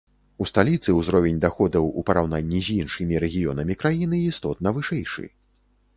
У сталіцы ўзровень даходаў у параўнанні з іншымі рэгіёнамі краіны істотна вышэйшы.